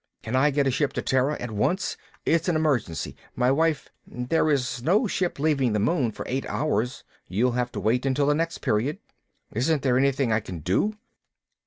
"Can I get a ship to Terra at once? It's an emergency. My wife " "There's no ship leaving the moon for eight hours. You'll have to wait until the next period." "Isn't there anything I can do?"